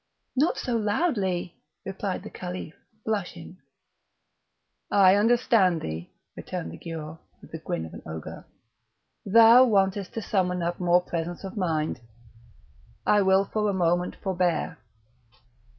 "Not so loudly," replied the Caliph, blushing. "I understand thee," returned the Giaour, with the grin of an ogre; "thou wantest to summon up more presence of mind; I will for a moment forbear."